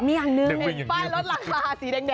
มีอย่างนึงเองป้ายลดรักษาสีแดง